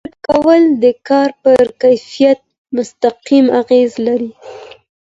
فکر کول د کار پر کیفیت مستقیم اغېز لري.